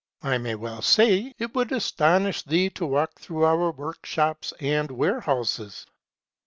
I may well say, it would astonish thee to walk through our workshops and warehouses.